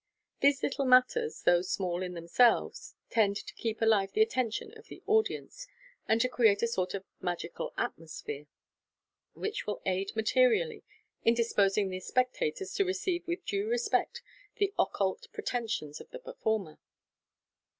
These little matters, though small in themselves, tend to keep alive the attention of the audience, and to create a sort of magical atmos phere, which will aid materially in disposing the spectators to receive with due respect the occult pretensions of the performer.